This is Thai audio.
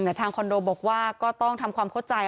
ทางคอนโดบอกว่าก็ต้องทำความเข้าใจ